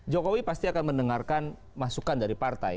jokowi pasti akan mendengarkan masukan dari partai